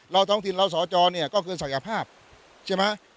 เราท้องถิ่นเราสอจรเนี้ยก็เกินสักอย่างภาพใช่ไหม